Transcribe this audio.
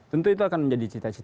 tentu itu akan menjadi cita cita